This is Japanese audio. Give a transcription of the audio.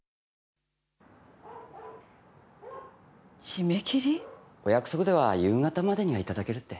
締め切り？お約束では夕方までには頂けるって。